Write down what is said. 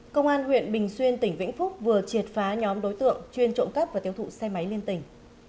công an huyện bình xuyên tỉnh vĩnh phúc vừa triệt phá nhóm đối tượng chuyên trộm cắp và tiêu thụ xe máy liên tỉnh